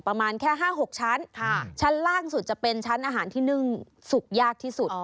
ประมาณแค่๕๖ชั้นชั้นล่างสุดจะเป็นชั้นอาหารที่นึ่งสุกยากที่สุด